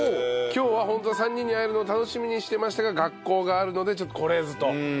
今日は本当は３人に会えるのを楽しみにしていましたが学校があるのでちょっと来られずと。